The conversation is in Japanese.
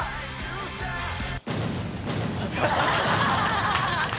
ハハハ